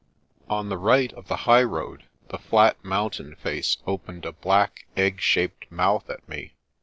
On the right of the highroad, the flat mountain face opened a black, egg shaped mouth at me.